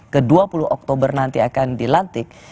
ke dua puluh oktober nanti akan dilantik